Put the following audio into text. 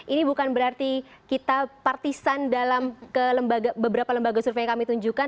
ini bukan berarti kita partisan dalam beberapa lembaga survei yang kami tunjukkan